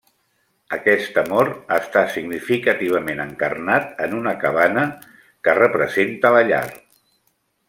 Aquest amor està significativament encarnat en una cabana, que representa la llar.